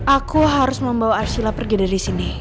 aku harus membawa arsila pergi dari sini